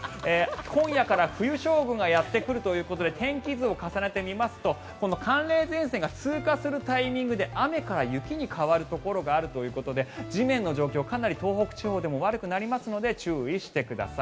今夜から冬将軍がやってくるということで天気図を重ねてみますと寒冷前線が通過するタイミングで雨から雪に変わるところがあるということで地面の状況、かなり東北地方でも悪くなりますので注意してください。